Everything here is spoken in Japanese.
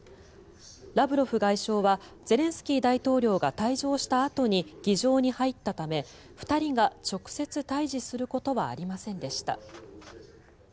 ラブロフ外相はゼレンスキー大統領が退場したあとに議場に入ったため２人が直接対峙することはありませんでした。